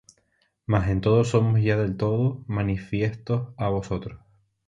mas en todo somos ya del todo manifiestos á vosotros.